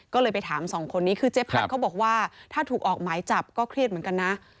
ก็เลยไปถามสองคนนี้คือเจ๊พัดเขาบอกว่าถ้าถูกออกหมายจับก็เครียดเหมือนกันนะ